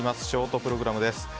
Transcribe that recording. ショートプログラムです。